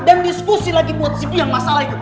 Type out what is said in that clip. dan diskusi lagi buat si piang masalah itu